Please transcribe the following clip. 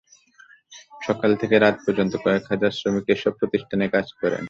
সকাল থেকে রাত পর্যন্ত কয়েক হাজার শ্রমিক এসব প্রতিষ্ঠানে কাজ করেন।